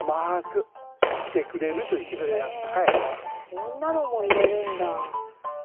こんなのも入れるんだ。